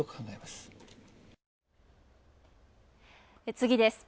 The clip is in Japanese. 次です。